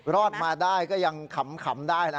รอดมาได้ก็ยังขำได้นะ